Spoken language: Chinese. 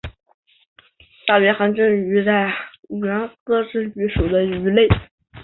大圆颌针鱼为颌针鱼科圆颌针鱼属的鱼类。